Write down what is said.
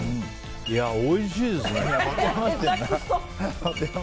おいしいですね。